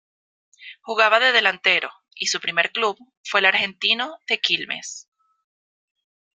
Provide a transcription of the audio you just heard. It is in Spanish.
Jugaba de delantero y su primer club fue Argentino de Quilmes.